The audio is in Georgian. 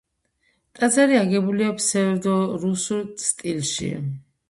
ტაძარი აგებულია ფსევდორუსულ სტილში.